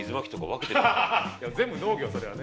全部農業それはね。